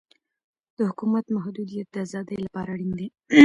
د حکومت محدودیت د ازادۍ لپاره اړین دی.